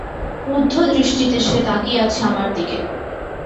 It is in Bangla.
ক্রুদ্ধ দৃষ্টিতে সে তাকিয়ে আছে আমার দিকে।